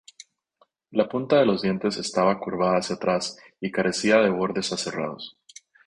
La punta de los dientes estaba curvada hacia atrás y carecía de bordes aserrados.